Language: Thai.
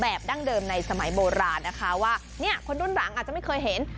ดั้งเดิมในสมัยโบราณนะคะว่าเนี่ยคนรุ่นหลังอาจจะไม่เคยเห็น